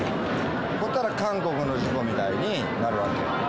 そうしたら韓国の事故みたいになるわけ。